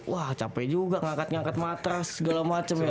wah cape juga ngangkat ngangkat matras segala macem ya